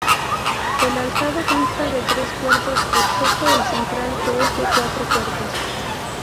El alzado consta de tres cuerpos, excepto el central que es de cuatro cuerpos.